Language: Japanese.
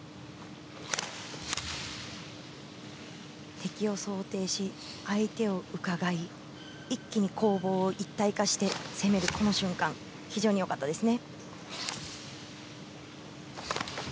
敵を想定し、相手をうかがい一気に攻防を一体化して攻めるこの瞬間非常に良かったですね。